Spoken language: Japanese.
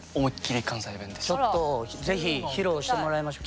もうちょっとぜひ披露してもらいましょう。